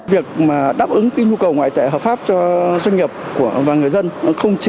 việc đáp ứng nhu cầu ngoại tệ hợp pháp cho doanh nghiệp và người dân